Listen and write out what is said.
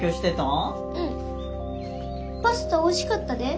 パスタおいしかったで。